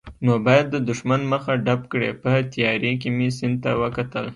نو باید د دښمن مخه ډب کړي، په تیارې کې مې سیند ته وکتل.